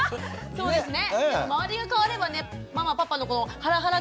そうですね。